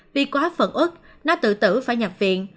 vì quá phận út nó tự tử phải nhập viện